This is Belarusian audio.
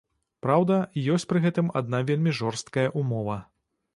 Праўда, ёсць пры гэтым адна вельмі жорсткая ўмова.